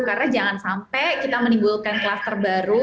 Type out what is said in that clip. karena jangan sampai kita menimbulkan klaster baru